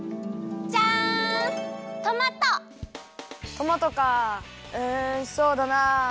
トマトかうんそうだなあ。